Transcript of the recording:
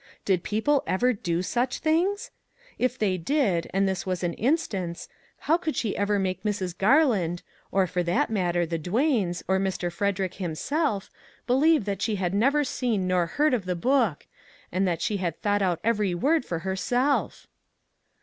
Did people ever do such things ? If they did, and this was an instance, how could she ever make Mrs. Garland, or, for that matter, the . Duanes, or Mr. Frederick himself believe that she had never seen nor heard of the book, and that she had thought out every word for herself?